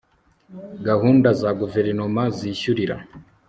b gahunda za guverinoma zishyurira